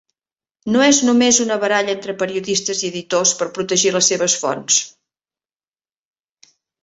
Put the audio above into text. No és només una baralla entre periodistes i editors per protegir les seves fonts.